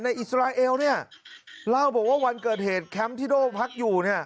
อิสราเอลเนี่ยเล่าบอกว่าวันเกิดเหตุแคมป์ที่โด่พักอยู่เนี่ย